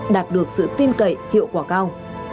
đạt được sự tin cậy hiệu quả cao